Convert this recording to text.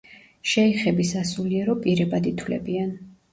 შეიხები სასულიერო პირებად ითვლებიან.